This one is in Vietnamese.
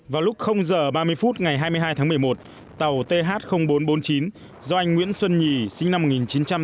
vào lúc h ba mươi phút ngày hai mươi hai tháng một mươi một tàu th bốn trăm bốn mươi chín do anh nguyễn xuân nhì sinh năm một nghìn chín trăm tám mươi